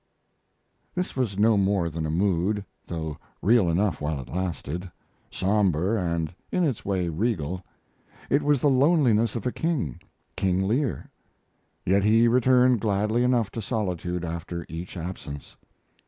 This was no more than a mood though real enough while it lasted somber, and in its way regal. It was the loneliness of a king King Lear. Yet he returned gladly enough to solitude after each absence.